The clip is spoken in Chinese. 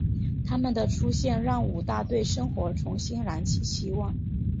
她们的出现让武大对生活重新燃起希望。